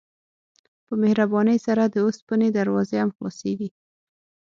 په مهربانۍ سره د اوسپنې دروازې هم خلاصیږي.